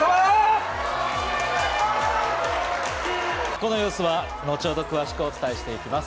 この様子は後ほど、詳しくお伝えしていきます。